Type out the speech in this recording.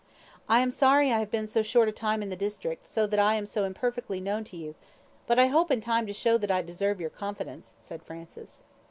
"I am sorry I have been so short a time in the district, so that I am so imperfectly known to you, but I hope in time to show that I deserve your confidence," said Francis.